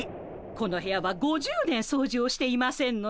この部屋は５０年掃除をしていませんのよ。